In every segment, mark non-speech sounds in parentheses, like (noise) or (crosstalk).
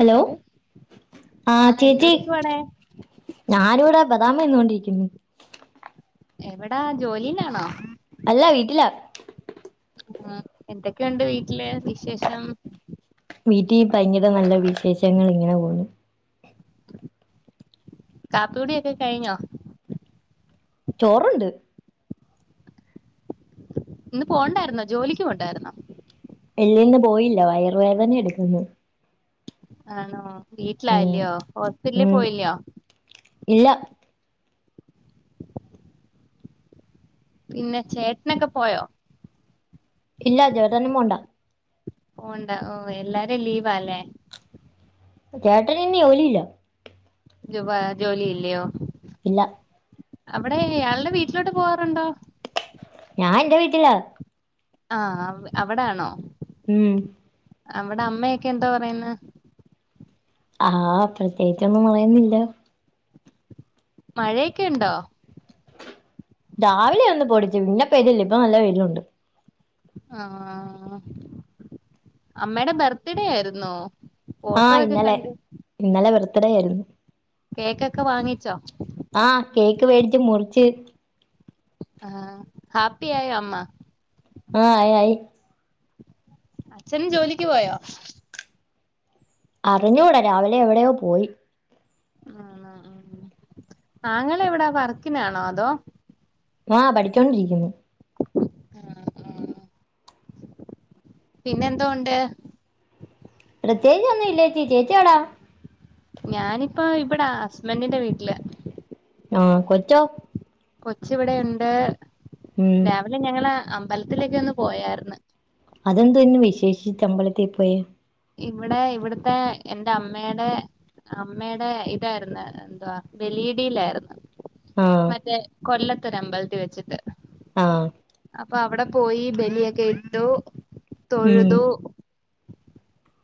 Hello ആ ആഹ് ചേച്ചി എന്തെടുക്കുവാവടെ? ഞാനിവിടെ ബദാമ് തിന്നുകൊണ്ടിരിക്കുന്നു. എവടാ ജോലീലാണോ? അല്ല വീട്ടിലാ ഉം എന്തൊക്കെയുണ്ട് വീട്ടില് വിശേഷം? വീറ്റിൽ പയങ്കര നല്ല വിശേഷങ്ങള് ഇങ്ങനെ പോകുന്നു. കാപ്പുടിയൊക്കെ കഴിഞ്ഞോ? ചോറുണ്ട് ഇന്ന് പോണ്ടായിരുന്നോ? ജോലിക്കക്ക് പോണ്ടായിരുന്നോ? ഇല്ലിന്നു പോയില്ല. വയറുവേദനയെടുക്കുന്നു. ആണോ? ഉം വീട്ടിലായല്യോ? ഹോസ്പിറ്റലിൽ ഉം പോയില്യോ? ഇല്ല പിന്നെ ചേട്ടനൊക്കെ പോയോ? ഇല്ല ജോലിക്കൊന്നും പോണ്ട ഓണ്ട ഓ എല്ലാരും ലീവല്ലേ ചേട്ടന് ഇനി ജോലില്ല ജുവാ ജോലി ഇല്ലയോ ഇല്ല അവടെ അളുടെ വീട്ടിലോട്ട് പോവാാറുണ്ടോ? ഞാൻ എന്റെ വീട്ടില ആഹ് അവിടാണോ ഉം അവിടെ അമ്മയൊക്കെ എന്തോ പറയുന്ന് ആഹ് പ്രത്യേകിച്ചൊന്നും പറയുന്നില്ല മഴയൊക്കെണ്ടോ രാവിലെ ഒന്ന് പൊടിച്ചു. പിന്നെ പെയ്തില്ല ഇപ്പൊ നല്ല വെയിലുണ്ട് ആഹ് അമ്മേയുടെ ബർത്ത്ഡേ ആയിരുന്നോ ഫോട്ടോ ആഹ് ഒക്കെ ഇന്നലെ. കണ്ട് ഇന്നലെ ബെർത്ത്ഡേ ആയിരുന്നു കേക്കൊക്കെ വാങ്ങിച്ചോ ആഹ് കേക്ക് വേടിച്ച് മുറിച്ച് ആഹ് ഹാപ്പി ആയോ അമ്മ ആഹ് ആയി ആയി അച്ഛനും ജോലിക്ക് പോയോ? അറിഞ്ഞൂടാ രാവിലെ എവിടെയോ പോയി ആഹ് ആഹ് ആങ്ങള എവിടാ വർക്കിനാണോ അതോ ആഹ് പഠിച്ചോണ്ടിരിക്കുന്നു ആഹ് ഉം പിന്നെന്തോണ്ട് പ്രത്യേകിച്ചേ ഒന്നും ഇല്ലേച്ചി ചേച്ചി എവടാ ഞാനിപ്പോ ഇവിടാ ഹസ്ബന്റിന്റെ വീട്ടില് ആഹ് കൊച്ചോ കൊച്ച് വിടെയുണ്ട് ഉം ല്ലെ ഞങ്ങള് അമ്പലത്തിലേക്ക് ഒന്ന് പോയാര്ന്ന് അതെന്താന്ന് വിശേഷിച്ച് അമ്പലത്തീ പോയെ ഇവിടെ ഇവിടുത്തെ എന്റെ അമ്മേടെ അമ്മേടെ ഇതായിരുന്നു എന്തവാ ബലിയിടിയിലായിരുന്നു ആ മറ്റേ കൊല്ലത്തൊര് അമ്പലത്തി വെച്ചിട്ട് ആഹ് അപ്പൊ അവിടെ പോയി ബലിയൊക്കെ ഇട്ടു. ഉം തൊഴുതു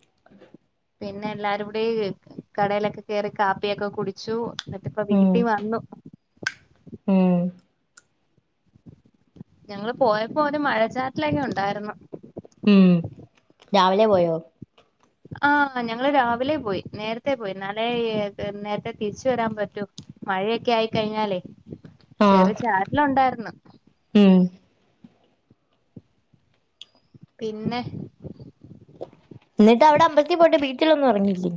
(unintelligible) പിന്നെ എല്ലാരും കൂടെ കടയിലൊക്കെ കേറി കാപ്പിയൊക്കെ കുടിച്ചു. എന്നിട്ട്പ്പ ഉം വീട്ടി വന്നു ഉം ഞങ്ങള് പോയപ്പോ ഒരു മഴച്ചാറ്റ്ലൊക്കെ ഉണ്ടായിരുന്നു ഉം രാവിലെ പോയോ ആഹ് ഞങ്ങള് രാവിലെ പോയി നേരത്തെ പോയിന്നാലെ നേരത്തെ തിരിച് വരാൻ പറ്റു മഴയൊക്ക്യായിക്കഴിഞ്ഞാലേ ആ ചെറിയ ചാറ്റല് ഒണ്ടാര്ന്ന് ഉം പിന്നെ എന്നിട്ട് അവടെ അമ്പത്തിപോട്ട് ബീച്ചിലൊന്നും ഇറങ്ങില്ലേ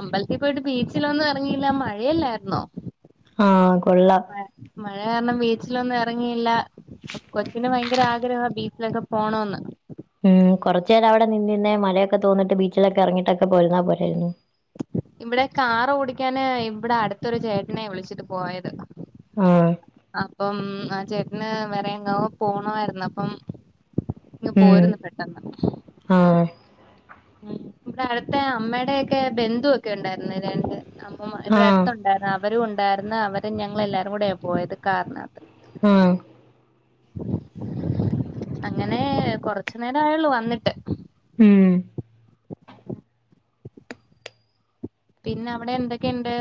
അമ്പലത്തി പോയിട്ട് ബീച്ചിലൊന്നും എങ്ങിയില്ലാ മഴയാല്ലാര്ന്നോ ആഹ് കൊള്ളാം മ മഴ കാരണം ബീച്ചിലൊന്നും എറങ്ങില്ലാ കൊച്ചിന് ബയങ്കര ആഗ്രഹാ ബീച്ചിലൊക്കെ പോണോന്ന് ഉം കൊറച്ച നേരം അവടെ നിന്നിന്നെ മലയൊക്കെ തോന്നിട്ട് ബീച്ച്ലൊക്കെ എറങ്ങിയിട്ടൊക്കെ പോരുന്നാ പോരാര്ന്നേ ഇവടെ കാറ് ഓടിക്കാന് ഇവടെ അടുത്തൊര് ചേട്ടനെ വിളിച്ചിട്ട് പോയത് ആ അപ്പം ആഹ് ചേട്ടന് വേറെ എങ്ങോ പോണവാര്ന്ന് അപ്പം ഇങ്ങ് പോര്ന്ന് പെട്ടന്ന് ആഹ് ഉം ഇവടെ അടുത്തെ അമ്മേടെക്കെ ബന്ധുവൊക്കെ ഒണ്ടാര്ന്ന് രണ്ട് അപ്പം ആ ഇവടെ അട്ത്തുണ്ടാ ന്ന അവരും ഉണ്ടാര്ന്ന് അവരും ഞങ്ങള് എല്ലാരും കൂടെയാ പോയത് കാറിനകത്ത് ആഹ് അങ്ങനെ കൊറച്ച് നേരായോള്ളൂ വന്നിട്ട് ഉം പിന്നെ അവടെ എന്തൊക്കെ ഇണ്ട്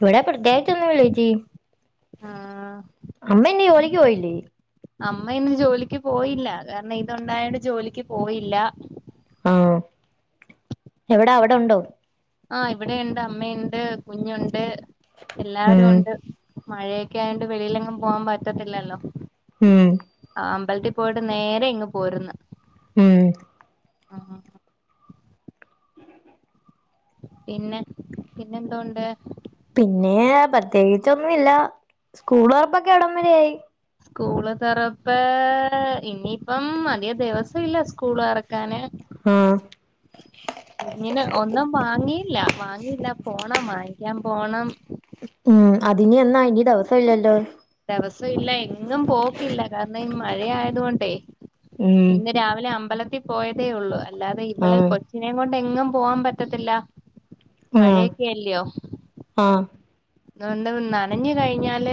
ഇവടെ പ്രത്യേകിച്ചൊന്നും ഇല്ല ചേച്ചി ആ അമ്മ ഇന്ന് ജോലിക്ക് പോയില്ലേ അമ്മ ഇന്ന് ജോലിക്ക് പോയില്ല കാരണം ഇത് ഒണ്ടായോണ്ട് ജോലിക്ക് പോയില്ല ആഹ് എവടെ അവടെ ഉണ്ടോ ആഹ് ഇവടെ ഇണ്ട് അമ്മയ്ണ്ട് കുഞ്ഞ് ഇണ്ട് എല്ലാവരും ഉം ഉണ്ട് മഴയൊക്കെ അയോണ്ട് വെളിയില് എങ്ങും പോവാൻ പറ്റത്തില്ലല്ലോ ഉം ആഹ് അമ്പലത്തിൽ പോയിട്ട് നേരെ ഇങ്ങ് പോര്ന്ന് ഉം പിന്നെ പിന്നെ എന്തോണ്ട് പിന്നെ പ്രത്യേകിച്ചൊന്നു ഇല്ലാ സ്കൂള് തൊറപ്പൊക്കെ എവടം വെരേ ആയി സ്കൂള് തൊറപ്പ് ഇനി ഇപ്പം അതികം ദിവസം ഇല്ല സ്കൂള് തൊറക്കാന് ആഹ് കുഞ്ഞിന് ഒന്നും വാങ്ങിയില്ലാ വാങ്ങിയില്ലാ പോണം വാങ്ങിക്കാൻ പോണം ഉം അത് ഇനി എന്നാ ഇനി ദെവസം ഇല്ലല്ലോ ദെവസൊ ഇല്ല എങ്ങും പോക്കില്ല കാരണം ഈ മഴയായത് കൊണ്ടേ ഉം ഇന്ന് രാവിലെ അമ്പലത്തി പോയതേ ഒള്ളൂ അല്ലാതെ ഇവളെ ആഹ് കൊ ച്ചിനേം കൊണ്ട് എങ്ങും പോവാൻ പറ്റത്തില്ല ആഹ് മഴയൊക്കെ അല്ല്യോ ആഹ് താണ്ട് നനഞ്ഞ് കഴിഞ്ഞാല്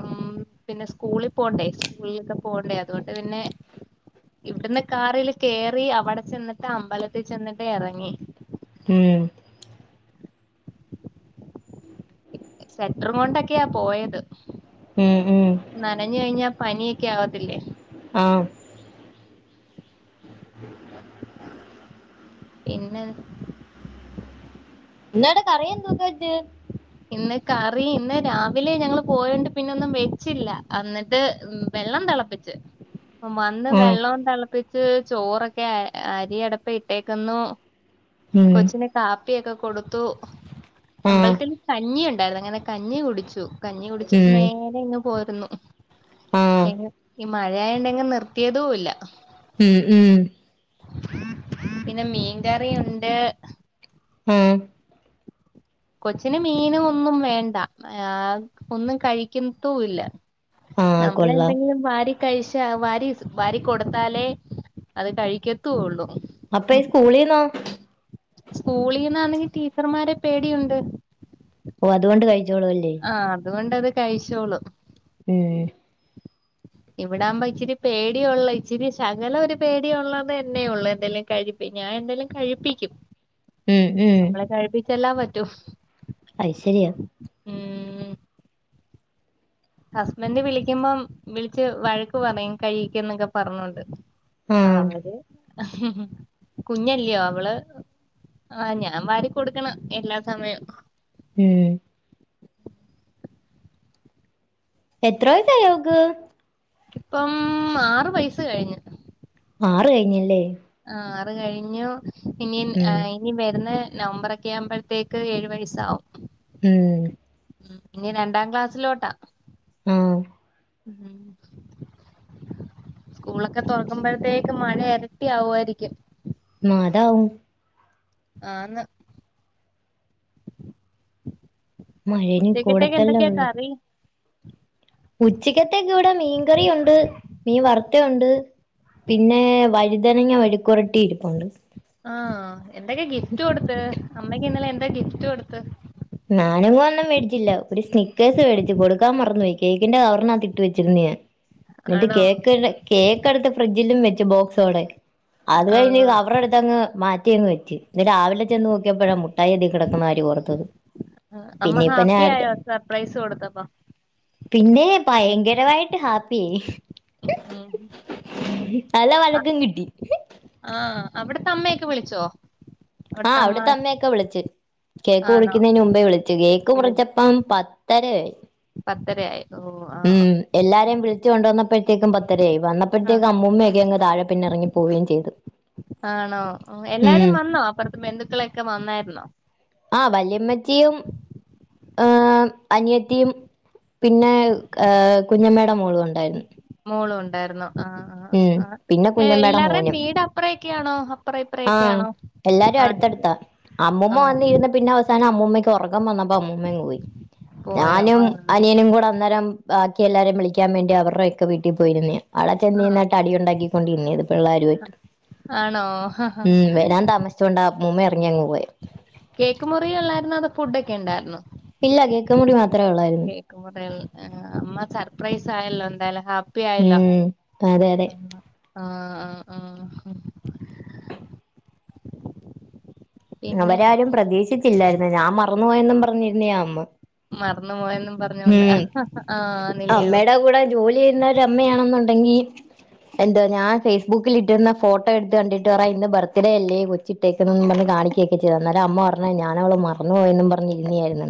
ഉം പിന്നെ സ്കൂളി പോണ്ടേ സ്കൂളിലൊക്കെ പോണ്ടേ അത് കൊണ്ട് പിന്നെ ഇവ്ട്ന്ന് കാറില് കേറി അവടെ ചെന്നിട്ട് അമ്പലത്തിൽ ചെന്നിട്ട് എറങ്ങി ഉം സെറ്ററും കൊണ്ടൊക്കെയാ പോയത് ഉം ഉം നനഞ്ഞ് കഴിഞ്ഞാ പനിയൊക്കെ ആവത്തില്ലേ ആഹ് പിന്നെ ന്താണ് കറി എന്തൊക്കെ വെച്ച് ഇന്ന് കറി ഇന്ന് രാവിലെ ഞങ്ങള് പോയോണ്ട് പിന്നെ ഒന്നും വെച്ചില്ല അന്ന്ട്ട് വെള്ളം തെളപ്പിച്ച് വന്ന് ആഹ് വെള്ളോം തെളപ്പിച്ച് ചോറൊക്കെ അരി അടപ്പേ ഇട്ടേക്കുന്നു ഉം കൊച്ചിന് കാപ്പിയൊക്കെ കൊടുത്തു ആഹ് അമ്പലത്തില് ഞ്ഞി ഇണ്ടായിരുന്നു അങ്ങനെ കഞ്ഞി കുടിച്ചു കഞ്ഞി കുടിച്ചിട്ട് ഉം നേരെ ഇങ്ങ് പോരുന്നു ആഹ് എങ്ങ് ഈ മഴയായോണ്ട് എങ്ങും നിർത്തിയതും ഇല്ല ഉം ഉം പിന്നെ മീൻ കറിയുണ്ട് ഉം കൊച്ചിന് മീന് ഒന്നും വേണ്ട ആഹ് ഒന്നും കഴിക്കത്തും ഇല്ല ആഹ് നമ്മള് കൊള്ളാം എന്തെങ്കിലും വാരി കഴിച്ച വാരി വാരി കൊടുത്താലേ അത് കഴിക്കത്തൊള്ളൂ അപ്പ ഈ സ്കൂളിന്നോ സ്കൂളിൽന്നാണെങ്കി ടീച്ചർമാരെ പേടിയുണ്ട് ഓ അതുകൊണ്ട് കഴിച്ചോളൂ ല്ലേ ആ അതുകൊണ്ടത് കഴിച്ചോളും ഉം ഇവിടാകുമ്പോ ഇച്ചിരി പേടിയൊള്ള ഇച്ചിരി ശകലം ഒരു പേടിയൊള്ളത് എന്നെയേ ഉള്ളൂ എന്തെലും കഴിപ്പ് പ്പ ഞാൻ എന്തായാലും കഴിപ്പിക്കും ഉം ഉം നമ്മളെ കഴിപ്പിച്ചല്ലാ പറ്റു അയ് ശെരിയാ ഉം ഹസ്ബൻഡ് വിളിക്കുമ്പം വിളിച്ച് വഴക്ക് പറയും കഴിക്ക്‌ ന്നൊക്കെ പറഞ്ഞിട്ട് ആഹ് അവര് കുഞ്ഞല്ല്യ അവള് ആഹ് ഞാൻ വാരി കൊടുക്കണം എല്ലാ സമയവും ഉം എത്ര വയസായി അവക്ക്? ഇപ്പം ആറു വയസ് കഴിഞ്ഞ് ആറ് കഴിഞ്ഞല്ലേ ആറ് കഴിഞ്ഞു ഇനീം ഏ ഉം ഇനി വരുന്ന നവംബറൊക്കെ ആകുമ്പോഴത്തേക്ക് ഏഴു വയസാവും ഉം ഉം ഇനി രണ്ടാം ക്ലാസ്സിലോട്ടാ ആഹ് ഉം സ്കൂളൊക്കെ തൊറക്കുമ്പോഴത്തേക്ക് മഴ എരട്ടി ആവുമായിരിക്കും ഉം അതാകും ആന്ന് മഴേനി ഉച്ചയ്ക്കത്തേക്ക് കൂടത്തല്ലേ എന്തക്കെയാ ഉള്ളു കറി ഉച്ചക്കത്തേക്ക് ഇവിടെ മീൻകറിയുണ്ട് മീൻ വറുത്തേ ഉണ്ട് പിന്നെ വഴുതനങ്ങ മെഴുക്കുവരട്ടി ഇരിപ്പോണ്ട് ആഹ് എന്തൊക്കെ ഗിഫ്റ്റ് കൊടുത്ത് അമ്മക്ക് ഇന്നലെ എന്താ ഗിഫ്റ്റ് കൊടുത്ത് ഞാനെങ്ങും ഒന്നും വേടിച്ചില്ല ഒരു സ്നിക്കേഴ്സ് വേടിച്ച് കൊടുക്കാൻ മറന്ന് പോയി കേക്കിന്റെ കവറിനാകത്ത് ഇട്ട് വച്ചിട്ട് ണ്ട് ഞാൻ (inaudible) ന്നിട്ട് കേക്ക് കേക്ക് എടുത്ത് ഫ്രിഡ്ജിലും വെച്ച് ബോക്സോടെ അത് ആ കഴിഞ്ഞ് കവറെടു ത്തങ്ങ് മാറ്റിയങ്ങ് വെച്ച് ഇന്ന് രാവിലെ ചെന്ന് നോക്കിയപ്പോഴാ മുട്ടായി അതിൽ കിടക്കുന്ന കാര്യം ഓർത്തത് അമ്മ പിന്നെ ഇപ്പ ഹാപ്പി ഞാൻ ആയോ സർപ്രൈസ് കൊടുത്തപ്പ പിന്നെ പയങ്കരവായിട്ട് ഹാപ്പി ആയി ഉം നല്ല ആ വഴക്കും കിട്ടി ആഹ് അവിടത്തെ അമ്മയൊക്കെ വിളിച്ചോ ആഹ് ഒട്ടമ്മ അവിടുത്തെ അമ്മയൊക്കെ വിളിച്ചു കേക്ക് ആണോ മുറിക്കുന്നതിന് മുമ്പേ വിളിച്ചു കേക്ക് വിളി മുറിച്ചപ്പം പത്ത് ത്തരയായി പത്തരയായി ഓ ആ ആ ഉം എല്ലാരുേ വിളിച്ച്‌ കൊണ്ടുവന്നഴപ്പോയേക്കും പത്തരായി ആ വന്നപ്പോഴത്തേക്കും അമ്മൂമ്മയൊക്കെ അങ് താഴെ പിന്നെ എറങ്ങിപൊ പോയിം ചെയ്തു ആണോ ഉം എല്ലാരും വന്നോ അപ്പുറത്തെ ബന്ധുക്കളൊക്കെ വന്നായിരുന്നോ ആ വല്യമ്മച്ചിയും ആ അനിയത്തിയും പിന്നെ ഏ കുഞ്ഞമ്മേടെ മോളും ഉണ്ടായിരുന്നു മോളും ഉണ്ടായിരുന്നു ആഹ് ഉം ആഹ് ആഹ് പിന്നെ കുഞ്ഞമ്മേടെ എല്ലാവരുടെയും മോനും വീട് അപ്പറൊക്കെയാണോ അപ്പറ ആഹ് ഇപ്പൊറക്കെയാണോ എല്ലാരും അടുത്തടുത്ത അമ്മൂമ്മ വന്നിരുന്ന പിന്നെ അവസാനം അമ്മൂമ്മ ക്ക് ഉറക്കം വന്നപ്പോ അമ്മൂമ്മ അങ് പോയി പോയോ ഞാനും ആ അനിയനും കൂടെ അന്നേരം ബാക്കി എല്ലാരെ വിളിക്കാൻ വേണ്ടി അവരുടെ ഒക്കെ വീട്ടിൽ പോയിരുന്നു ഞാൻ അവടെ ആ ചെന്നീന്ന്ട്ട് അടി ഉണ്ടാക്കിക്കൊണ്ട് ഇരുന്നീനു പിള്ളേരുയിട്ട് ആണോ ഞൻ താമസിച്ചൊണ്ടാ ആമ്മൂമ്മ ഇറങ്ങിയങ് പോയെ കേക്ക് മുറിയെ ഉള്ളായിരുന്നൊ അതൊ ഫുഡ് ഒക്കെ ണ്ടായിരുന്നോ ഇല്ല കേക്ക് മുറി മാത്ര ഒള്ളായിരുന്നു (unintelligible) അമ്മ സർപ്രൈസ് ആയല്ലോ എന്തായാലും ഹാപ്പി ആയല്ലോ ഉം അതെ അതെ ആഹ് ആഹ് ആഹ് ഹാ പിന്നെ അവരാരും പ്രതീശിച്ചില്ലായിരുന്നു ഞാൻ മറന്നു പോയെന്നും പറഞ്ഞിരുന്നേ അമ്മ മറന്നു പോയന്നും പറഞ്ഞോണ്ട് ഉം ആഹ് നില്ലയോ അമ്മയുടെ കൂടെ ജോലി ചെയ്യുന്ന ഒരമ്മയാണെന്നുണ്ടെങ്കി എന്തോ ഞാൻ ഫേയ്സ്ബുക്കില് ഇട്ടിരുന്ന ഫോട്ടോ ഇട്ത് കണ്ടിട്ട് പറ ഇന്ന് ബർത്ത്ഡേ അല്ലേ കൊച്ചിട്ടേക്ക്ന്ന് പറ്ഞ്ഞ് കാണി കേകിച്ച് തന്ന് അന്നാരം അമ്മ പറഞ്ഞു ഞാൻ അവള് മറന്നു പോയന്നും പറഞ്ഞ് ഇരിന്നായിരുന്ന്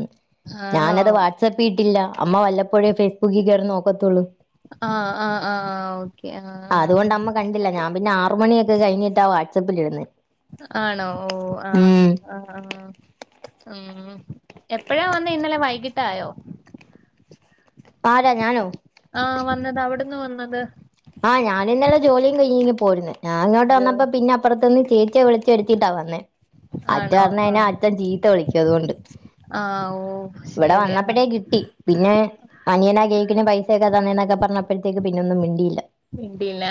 ആണോ? ഞാനത് വാട് സപ്പിട്ടില്ല അമ്മ വല്ലപ്പോഴേ ഫേസ്ബുക്കിൽ കയറി നോക്കത്തുള്ളൂ ആഹ് ആഹ് ആഹ് ഓക്കെ ആഹ് ആഹ് അതുകൊണ്ട് അമ്മ കണ്ടില്ല ഞാൻ പിന്നെ ആറ് മണിക്കെ കഴിഞ്ഞിട്ടാ വാട്സപ്പിൽ ഇടുന്നേ ആണോ ഓ ആഹ് ആഹ് ആഹ് ആഹ് എപ്പഴാ വന്നേ ഇന്നലെ വൈകിട്ടായോ ആരാ ഞാനോ ആഹ് വന്നത് അവ്ട്ന്ന് വന്നത് ആഹ് ഞാനിന്നലെ ജോലിയും കഴിഞ്ഞ് ഇങ്ങ് പോരുന്നേ ഞാൻഇങ്ങോട്ട് ജ- വന്നപ്പോ പിന്നെ അപ്പുറത്ത്ന്ന് ചേച്ചീയേ വിളിച്ചു വരുത്തീട്ടാ വന്നേ അച്ഛൻ ആണോ? അറിഞ്ഞ്കഴിഞ്ഞാ ആഹ് അച്ഛൻ ചീത്ത വിളിക്കും അതോണ്ട് ആഹ് ഓ ഇവിടെ വന്നപ്പഴേ കിട്ടി പിന്നെ അനിയനാ കേക്ക് ന് പൈസയൊക്കെ തന്നേ ന്നൊക്കെ പറഞ്ഞപ്പോഴത്തേക്ക് പിന്നൊന്നും മിണ്ടിയില്ല മിണ്ടിയില്ല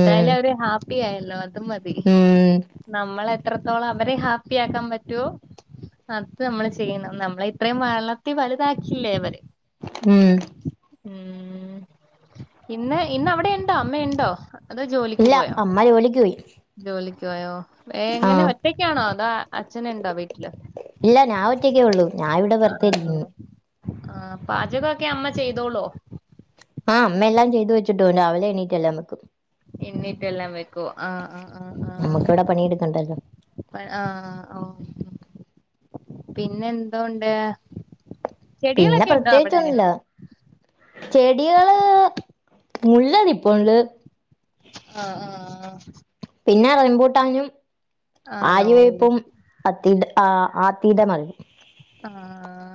ഉം അവര് ഹാപ്പി ആയില്ലോ അതും മതി ഉം നമ്മള് എത്രത്തോളം അവരെ ഹാപ്പി ആക്കാൻ പറ്റോ അത് നമ്മള് ചെയ്യണം നമ്മളെ ഇത്രയും വളർത്തി വലുതാക്കിയില്ലേ അവര് ഉം ഉം ഇന്ന് ഇന്ന് അവിടെയുണ്ടോ അമ്മയുണ്ടോ ഇല്ല അമ്മ ജോലിക്ക് പോയി ജോലിക്കോയോ ഏ എങ്ങനെ ആഹ് ഒറ്റയ്ക്കാണോ അതോ അച്ഛനുണ്ടോ വീട്ടില് ഇല്ല ഞാൻ ഒറ്റക്കേ ഉള്ളൂ ഞാനിവിടെ വെറുതെ ഇരിക്കുന്നു ആഹ് പാചക ഒക്കെ അമ്മ ചെയ്തോളോ ആഹ് അമ്മ എല്ലാം ചെയ്ത് വെച്ചിട്ട് പൊകും രാവിലെ എണീറ്റ് എല്ലാം വെക്കും എണീറ്റ് എല്ലാം വെക്കും ആഹ് ആഹ് ആഹ് നമ്മുക്കിവിടെ പണിയെടുക്കണ്ടല്ലോ ആഹ് ആഹ് ഔ പിന്നെ എന്തോണ്ട് പിന്നെ ചെടികളൊക്കെ ഉണ്ടോ അവിടെ പ്രത്യേകിച്ചൊന്നുല്ല. ചെടികള് മുള്ളതിപ്പോ ള്ള് ആഹ് ആഹ് ആ പിന്നെ റംബുട്ടാനും ആണോ ആര്യവേപ്പും അത്തീത ആഹ് ആതീത മറി ആഹ്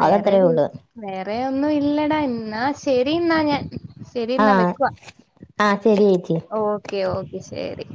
വേറെ അതത്രേ രു ഉള്ളൂ വേറെ ഒന്നും ഇല്ലടാ ഇന്നാ ശരി ന്നാ ഞാൻ ശരി ന്നാ ആഹ് വെക്കുവാ ആഹ് ശരി ചേച്ചി ഓക്കെ ഓക്കെ ശരി